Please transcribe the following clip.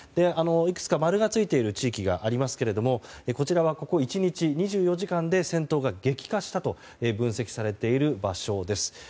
いくつか丸がついている地域がありますけれどもこちらはここ１日、２４時間で戦闘が激化したと分析されている場所です。